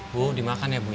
bu dimakan ya bu ya